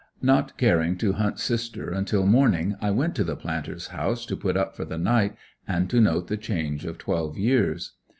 Not caring to hunt sister until morning I went to the Planter's House to put up for the night, and to note the change of twelve years.